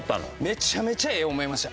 めちゃめちゃいいと思いました。